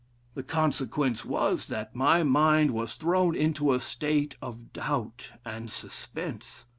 The consequence was, that my mind was thrown into a state of doubt and suspense.